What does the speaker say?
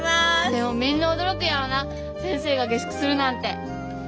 でもみんな驚くやろな先生が下宿するなんて。